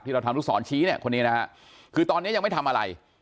เราทำลูกศรชี้เนี่ยคนนี้นะฮะคือตอนนี้ยังไม่ทำอะไร